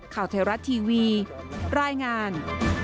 ข่าวไทยรัฐทีวีรายงาน